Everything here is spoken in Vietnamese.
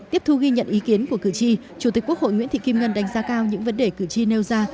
tiếp thu ghi nhận ý kiến của cử tri chủ tịch quốc hội nguyễn thị kim ngân đánh giá cao những vấn đề cử tri nêu ra